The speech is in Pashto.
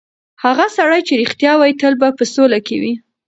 هغه سړی چې رښتیا وایي، تل په سوله کې وي.